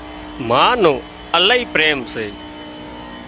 ما نو الاهي پريم سي